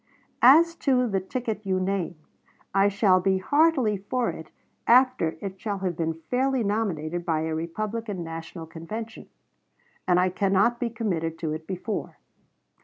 As to the ticket you name, I shall be heartily for it after it shall have been fairly nominated by a Republican National Convention; and I cannot be committed to it before.